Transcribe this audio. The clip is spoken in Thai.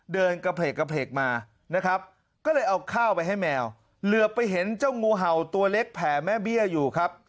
เดินกระเพกมานะครับก็เลยเอาข้าวไปให้แมวเหลือไปเห็นเจ้างูเห่าตัวเล็กแผ่แม่เบี้ยอยู่ครับ